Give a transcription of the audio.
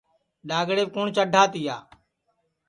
ڈؔاگڑیپ کُوٹؔ چڈھا تیا